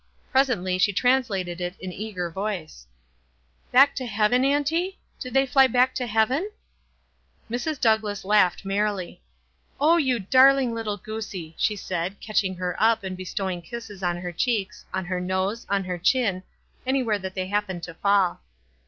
Presently she translated it in easier voice. WISE AND OTHEKWISE. 311 "Back to heaven, auntie? Did they fly back to heaven?"' Mrs. Douglass laughed merrily. "Oh, you darling little goosie," she said, catching her up, and bestowing kisses on her cheeks, on her nose, on ht r chin, anywhere that they happened to fall.